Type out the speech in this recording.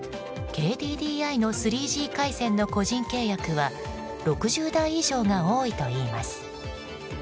ＫＤＤＩの３Ｇ回線の個人契約は６０代以上が多いといいます。